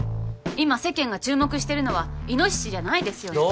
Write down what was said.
今世間が注目してるのはいのししじゃないですよね。